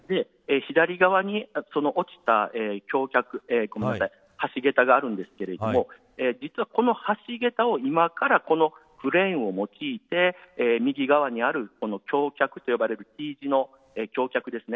左側に落ちた橋げたがあるんですけれども実はこの橋げたを今からクレーンを用いて、右側にある橋脚と呼ばれるＴ字の橋脚ですね